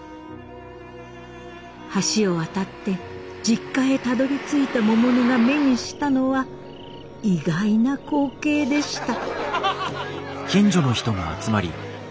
橋を渡って実家へたどりついた百音が目にしたのは意外な光景でした。